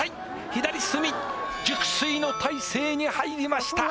左隅熟睡の態勢に入りました